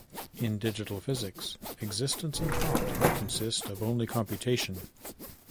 In Digital physics, existence and thought would consist of only computation.